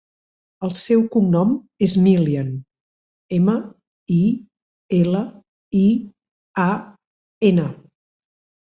El seu cognom és Milian: ema, i, ela, i, a, ena.